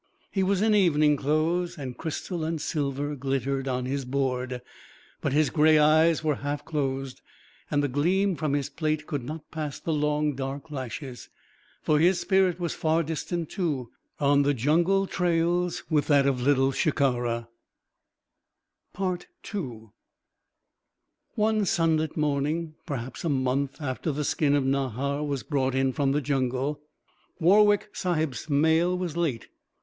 He was in evening clothes, and crystal and silver glittered on his board. But his gray eyes were half closed; and the gleam from his plate could not pass the long, dark lashes. For his spirit was far distant, too on the jungle trails with that of Little Shikara. II One sunlit morning, perhaps a month after the skin of Nahar was brought in from the jungle, Warwick Sahib's mail was late.